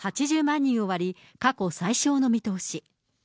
人を割り、過去最少の見通し。